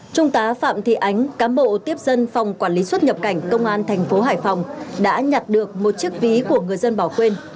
trung tá phạm thị ánh cám bộ tiếp dân phòng quản lý xuất nhập cảnh công an thành phố hải phòng đã nhặt được một chiếc ví của người dân bỏ quên